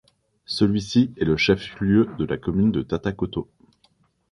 Celui-ci est le chef-lieu de la commune de Tatakoto.